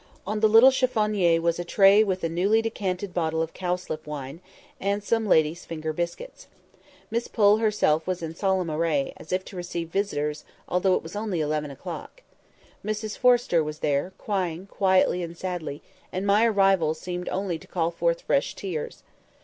On the little chiffonier was a tray with a newly decanted bottle of cowslip wine, and some ladies' finger biscuits. Miss Pole herself was in solemn array, as if to receive visitors, although it was only eleven o'clock. Mrs Forrester was there, crying quietly and sadly, and my arrival seemed only to call forth fresh tears.